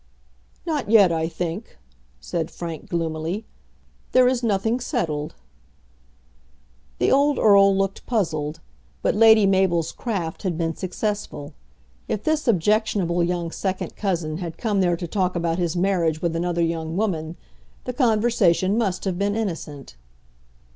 "Not yet, I think," said Frank, gloomily. "There is nothing settled." The old Earl looked puzzled, but Lady Mabel's craft had been successful. If this objectionable young second cousin had come there to talk about his marriage with another young woman, the conversation must have been innocent.